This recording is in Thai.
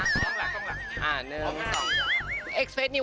แม่แอวรู้ป่ะคะเนี่ย